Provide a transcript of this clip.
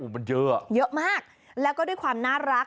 มันเยอะอ่ะเยอะมากแล้วก็ด้วยความน่ารัก